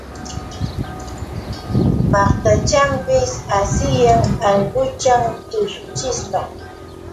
Maqtachanpis asiyan allquchan tushuchishpa.